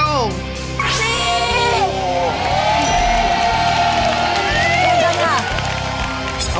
โอ้โห